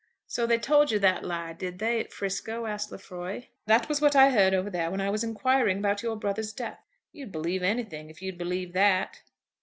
"So they told you that lie; did they, at 'Frisco?" asked Lefroy. "That was what I heard over there when I was inquiring about your brother's death." "You'd believe anything if you'd believe that."